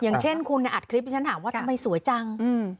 อย่างเช่นคุณเนี่ยอัดคลิปที่ฉันถามว่าทำไมสวยจัง